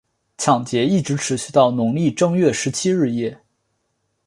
抢劫一直持续到农历正月十七日夜。